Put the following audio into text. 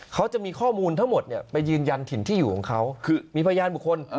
เขาจะมีข้อมูลทั้งหมดเนี่ยไปยืนยันถิ่นที่อยู่ของเขาคือมีพยานบุคคล